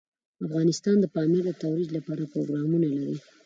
افغانستان د پامیر د ترویج لپاره پروګرامونه لري.